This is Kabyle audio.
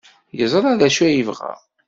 Yeẓra d acu ay yebɣa.